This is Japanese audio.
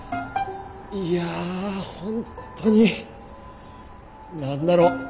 いや本当に何だろう。